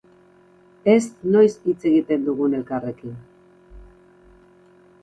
Ez noiz hitz egiten dugun elkarrekin.